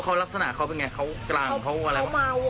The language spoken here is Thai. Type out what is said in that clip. เขารักษณะเขาเป็นไงเขากลางอะไร